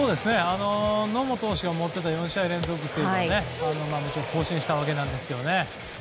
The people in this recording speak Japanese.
野茂投手が持っていた４試合連続をもちろん更新したわけですけどね。